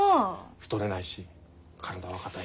太れないし体は硬いし。